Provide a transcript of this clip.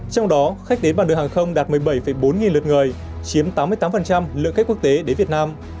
trong đó khách đến bằng đường hàng không đạt một mươi bảy bốn nghìn lượt người chiếm tám mươi tám lượng khách quốc tế đến việt nam